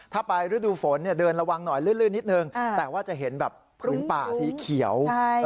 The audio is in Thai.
ถ้าไปฤดูฝนเดินระวังหน่อยลื่นนิดนึงแต่ว่าจะเห็นแบบผืนป่าสีเขียว